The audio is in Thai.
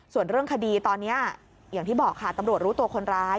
ส่วนเรื่องคดีตอนนี้อย่างที่บอกค่ะตำรวจรู้ตัวคนร้าย